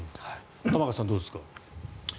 玉川さん、どうですか。